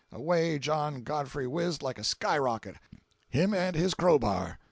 away John Godfrey whizzed like a skyrocket, him and his crowbar!